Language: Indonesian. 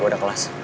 gue udah kelas